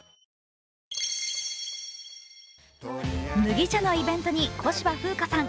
麦茶のイベントに小芝風花さん